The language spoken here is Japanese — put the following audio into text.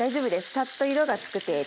サッと色が付く程度。